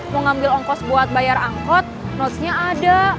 mau ngambil ongkos buat bayar angkot notesnya ada